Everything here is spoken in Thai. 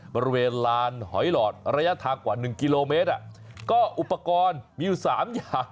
บริเวณลานหอยหลอดระยะทางกว่า๑กิโลเมตรก็อุปกรณ์มีอยู่๓อย่าง